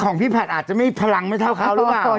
ของพี่ผัดอาจจะไม่พลังไม่เท่าเขาหรือเปล่า